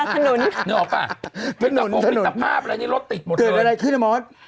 ถนนมาแล้วถนน